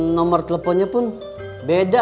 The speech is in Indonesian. nomor teleponnya pun beda